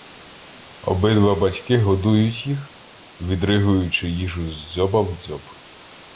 Обидва батьки годують їх, відригуючи їжу з дзьоба в дзьоб.